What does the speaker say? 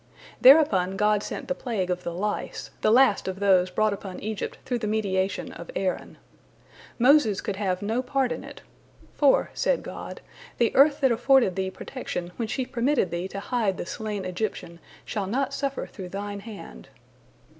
Thereupon God sent the plague of the lice, the last of those brought upon Egypt through the mediation of Aaron. Moses could have no part in it, "for," said God, "the earth that afforded thee protection when she permitted thee to hide the slain Egyptian, shall not suffer through thine hand."